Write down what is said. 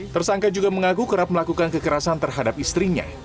tersangka juga mengaku kerap melakukan kekerasan terhadap istrinya